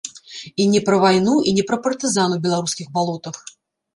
І не пра вайну, і не пра партызан у беларускіх балотах.